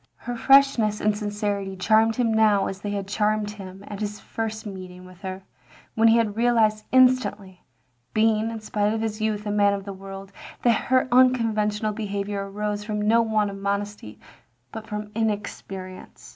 Her freshness and sincerity charmed him now as they had charmed him at his first meeting with her, when he had realised instantly (being, in spite of his youth, a man of the world) that her tinconventional behaviour arose from no want of modesty, but from inexperience.